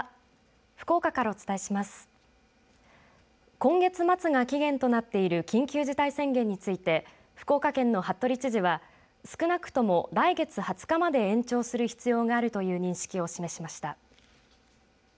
今月末が期限となっている緊急事態宣言について福岡県の服部知事は少なくとも来月２０日まで延長する必要があるという認識を示しました。